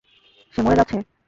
সে মরে যাচ্ছে।